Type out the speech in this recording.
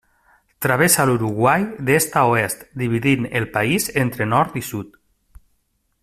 Travessa l'Uruguai d'est a oest, dividint el país entre nord i sud.